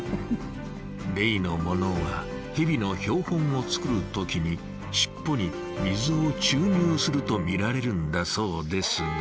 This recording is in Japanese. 例のものはヘビの標本を作る時に尻尾に水を注入すると見られるんだそうですが。